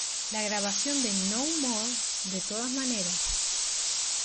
La grabación de "No More", de todas maneras.